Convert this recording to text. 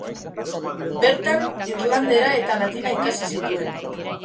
Bertan irlandera eta latina ikasi zituen.